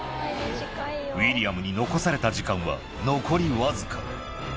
ウィリアムに残された時間は残り僅か。